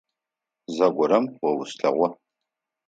Зэгорэм о услъэгъугъ.